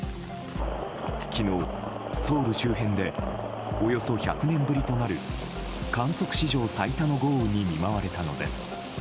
昨日ソウル周辺でおよそ１００年ぶりとなる観測史上最多の豪雨に見舞われたのです。